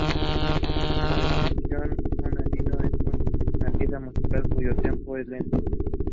Also named on the incorporation papers were Fred and Mabel Bennett.